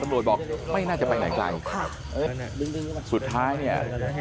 บอกไม่น่าจะไปไหนไกลสุดท้ายเนี่ย